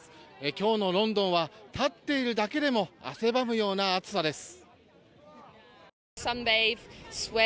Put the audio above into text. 今日のロンドンは立っているだけでも汗ばむような暑さです。